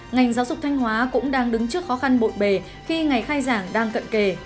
ngành giáo dục thanh hóa cũng đang đứng trước khó khăn bội bề khi ngày khai giảng đang cận kề